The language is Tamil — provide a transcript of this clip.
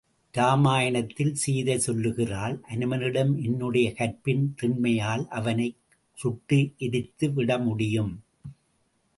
இராமாயணத்தில் சீதை சொல்கிறாள் அனுமனிடம் என்னுடைய கற்பின் திண்மையால் அவனை சுட்டு எரித்துவிடமுடியும்.